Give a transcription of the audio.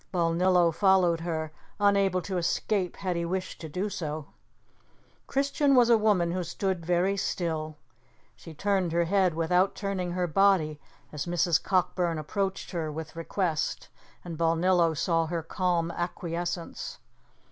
Balnillo followed her, unable to escape had he wished to do so. Christian was a woman who stood very still. She turned her head without turning her body as Mrs. Cockburn approached with her request, and Balnillo saw her calm acquiescence.